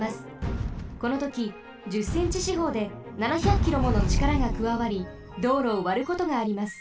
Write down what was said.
このとき１０センチしほうで７００キロものちからがくわわり道路をわることがあります。